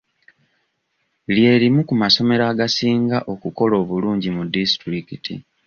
Lye limu ku masomero agasinga okukola obulungi mu disitulikiti.